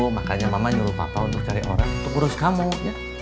makanya mama nyuruh papa untuk cari orang untuk urus kamar